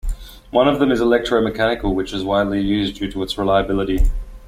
One of them is electro-mechanical, which is widely used due to its reliability.